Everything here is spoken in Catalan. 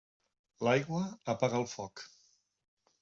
L'aigua apaga el foc.